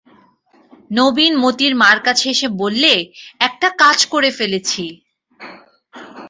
নবীন মোতির মার কাছে এসে বললে, একটা কাজ করে ফেলেছি।